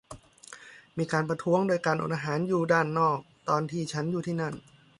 มีการประท้วงด้วยการอดอาหารอยู่ด้านนอกตอนที่ฉันอยู่ที่นั่น